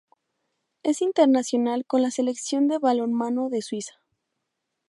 Es internacional con la Selección de balonmano de Suiza.